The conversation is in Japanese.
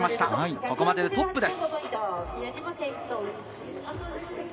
ここまででトップです。